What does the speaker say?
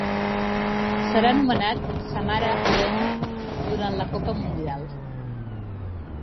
Serà anomenat Samara Arena durant la Copa Mundial.